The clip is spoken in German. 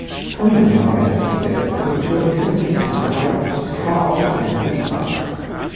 Unmittelbar westlich der Skulptur befindet sich eine bereits zuvor aufgestellte Sitzbank.